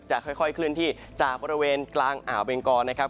ค่อยเคลื่อนที่จากบริเวณกลางอ่าวเบงกอนะครับ